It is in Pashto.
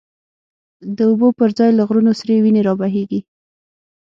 د اوبو پر ځای له غرونو، سری وینی را بهیږی